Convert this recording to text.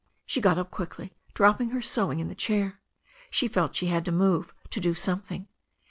She got up quickly, dropping her sewing in the chair. She felt she had to move, to do something.